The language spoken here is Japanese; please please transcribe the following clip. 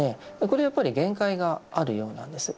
これはやっぱり限界があるようなんです。